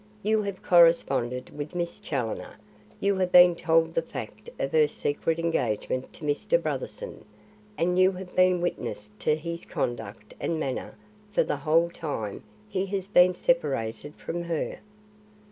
You have corresponded with Miss Challoner; you have been told the fact of her secret engagement to Mr. Brotherson and you have been witness to his conduct and manner for the whole time he has been separated from her.